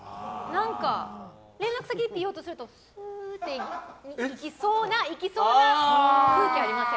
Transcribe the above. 連絡先って言おうとするとすーって行きそうな空気ありません？